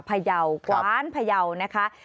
พะเยากวานพะเยานะคะ